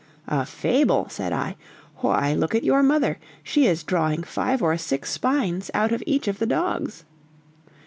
"A fable!" said I; "why, look at your mother! she is drawing five or six spines out of each of the dogs!"